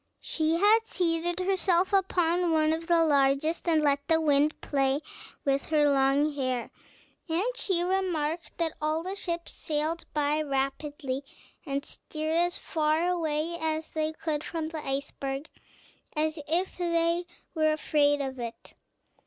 She had seated herself upon one of the largest, and let the wind play with her long hair, and she remarked that all the ships sailed by rapidly, and steered as far away as they could from the iceberg, as if they were afraid of it.